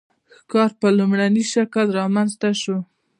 ښکار په لومړني شکل رامنځته شو.